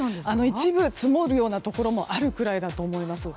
一部、積もるところもあるくらいだと思います。